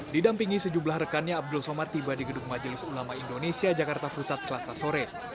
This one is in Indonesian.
didampingi sejumlah rekannya abdul somad tiba di gedung majelis ulama indonesia jakarta pusat selasa sore